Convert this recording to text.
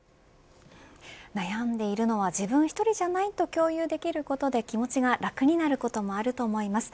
悩んでいるのは自分一人ではないと共有できることで気持ちが楽になることもあると思います。